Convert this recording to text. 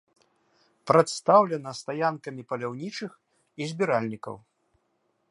Прадстаўлена стаянкамі паляўнічых і збіральнікаў.